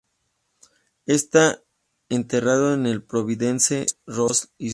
Está enterrado en Providence, Rhode Island.